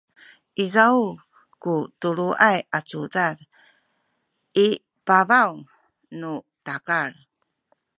izaw ku tuluay a cudad i pabaw nu takal